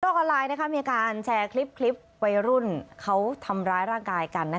ออนไลน์มีการแชร์คลิปวัยรุ่นเขาทำร้ายร่างกายกัน